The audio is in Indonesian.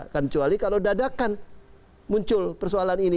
kecuali kalau dadakan muncul persoalan ini